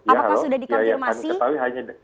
apakah sudah dikonfirmasi